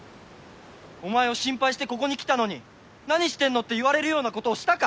お前を心配してここに来たのに「何してんの？」って言われるようなことをしたか？